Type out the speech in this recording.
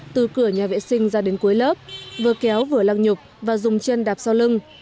từ cửa nhà vệ sinh ra đến cuối lớp vừa kéo vừa lăng nhục và dùng chân đạp sau lưng